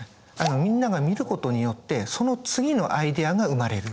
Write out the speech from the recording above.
みんなが見ることによってその次のアイデアが生まれる。